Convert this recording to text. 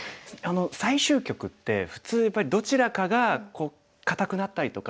最終局って普通やっぱりどちらかが硬くなったりとか。